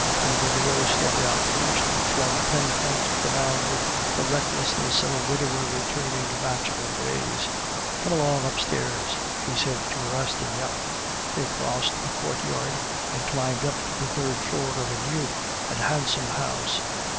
Father Goriot stepped out first and flung ten francs to the man with the recklessness of a widower returning to bachelor ways. "Come along upstairs," he said to Rastignac. They crossed a courtyard, and climbed up to the third floor of a new and handsome house.